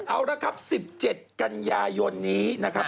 เอาละครับ๑๗กันยายนนี้นะครับ